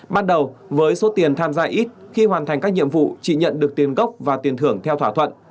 ban đầu với số tiền tham gia ít khi hoàn thành các nhiệm vụ chị nhận được tiền gốc và tiền thưởng theo thỏa thuận